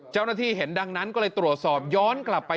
เจ้าหน้าที่เห็นดังนั้นก็เลยตรวจสอบย้อนกลับไป